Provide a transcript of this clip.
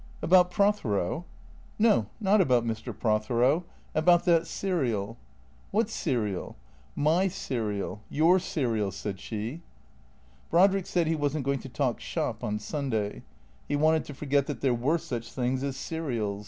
" About Prothero ?"" No, not about Mr. Prothero. About that serial "" What serial ?"" My serial. Your serial," said she. Brodrick said he was n't going to talk shop on Sunday. He wanted to forget that there were such things as serials.